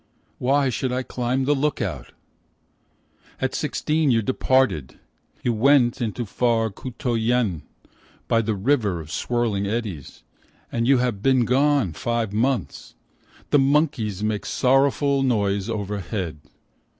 Why should I climb the look out ? At sixteen you departed, You went into far Ku to Yen, by the river of swirling eddies, 81 THE RIVER MERCHANT'S WIFE And you have been gone five months. The monkeys make sorrowful noise overhead.